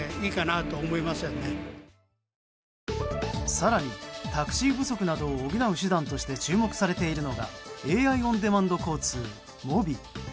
更に、タクシー不足などを補う手段として注目されているのがＡＩオンデマンド交通ｍｏｂｉ。